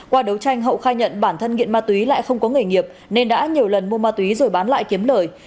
qua đấu tranh hậu khai nhận bản thân nghiện ma túy lại không có nghề nghiệp nên đã nhiều lần mua ma túy rồi bán lại kiếm lời